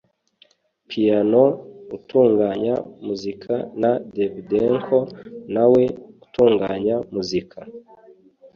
‘Piano’ utunganya muzika na ‘Davdanko’ na we utunganya muzika